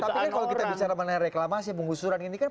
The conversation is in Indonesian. tapi kalau kita bicara reklamasi pengusuran ini kan